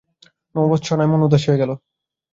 নহবৎখানায় রোশনচৌকি বাজছে–লগ্ন বয়ে যায় যে, মন উদাস হয়ে গেল।